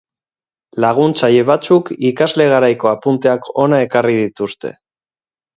Laguntzaile batzuk ikasle garaiko apunteak hona ekarri dituzte.